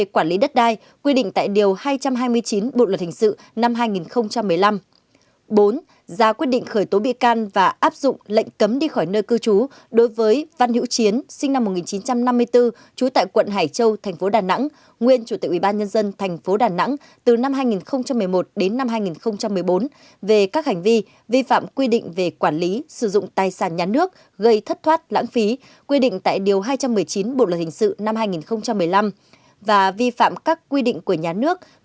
năm giá quyết định khởi tố bị can và áp dụng lệnh cấm đi khỏi nơi cư trú đối với văn hữu chiến sinh năm một nghìn chín trăm năm mươi bốn trú tại quận hải châu tp đà nẵng nguyên chủ tịch ủy ban nhân dân tp đà nẵng từ năm hai nghìn một mươi một đến năm hai nghìn một mươi năm